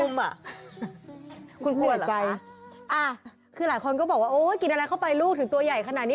คุณป่วยใจคือหลายคนก็บอกว่าโอ้ยกินอะไรเข้าไปลูกถึงตัวใหญ่ขนาดนี้